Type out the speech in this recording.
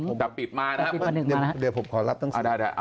ผมจะปิดมานะครับเดี๋ยวผมขอรับหนังสือ